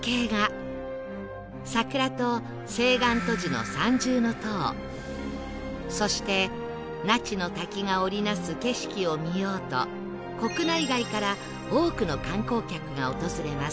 桜と青岸渡寺の三重塔そして那智の滝が織り成す景色を見ようと国内外から多くの観光客が訪れます